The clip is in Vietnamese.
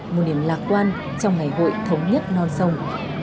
một niềm lạc quan trong ngày hội thống nhất non sông